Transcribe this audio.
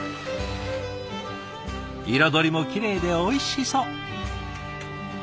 彩りもきれいでおいしそう。